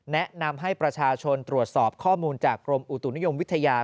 แนะนำให้ประชาชนตรวจสอบข้อมูลจากกรมอุตุนิยมวิทยา